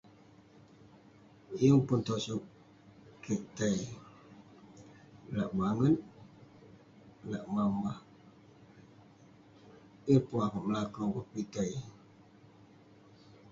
yeng pun tosog kik ta..i lak banget, lak mah mah, yeng pun akouk melakau ke kitey